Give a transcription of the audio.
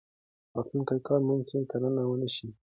راتلونکی کال ممکن کرنه ونه شي.